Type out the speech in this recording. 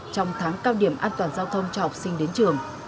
trong tháng cao điểm an toàn giao thông cho học sinh đến trường